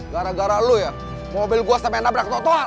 gara gara lu ya mobil gua sampai nabrak motor